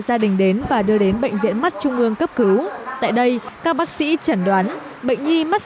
gia đình đến và đưa đến bệnh viện mắt trung ương cấp cứu tại đây các bác sĩ chẩn đoán bệnh nhi mắt